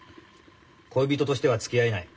恋人としてはつきあえない。